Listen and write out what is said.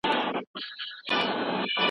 انا هره شپه د خپل توند عمل له امله وژړل.